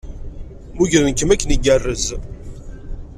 Mmugren-kem akken igerrez.